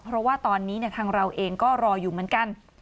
เพราะว่าตอนนี้ทางเราเองก็รออยู่เหมือนกัน